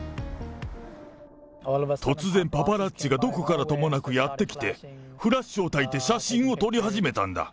突然、パパラッチがどこからともなくやって来て、フラッシュをたいて写真を撮り始めたんだ。